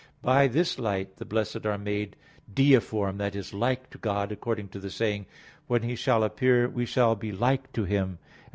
By this light the blessed are made "deiform" i.e. like to God, according to the saying: "When He shall appear we shall be like to Him, and [Vulg.